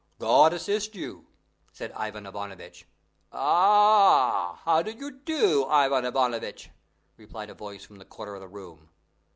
"God assist you!" said Ivan Ivanovitch. "Ah! how do you do, Ivan Ivanovitch?" replied a voice from the corner of the room.